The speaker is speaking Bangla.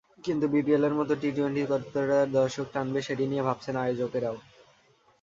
কিন্তু বিপিএলের মতো টি-টোয়েন্টি কতটা দর্শক টানবে, সেটি নিয়ে ভাবছেন আয়োজকেরাও।